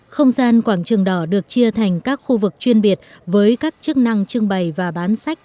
không gian quảng trường đỏ được chia thành các khu vực chuyên biệt với các chức năng trưng bày và bán sách